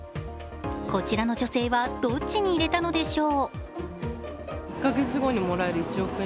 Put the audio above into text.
こちらの女性はどっちに入れたのでしょう？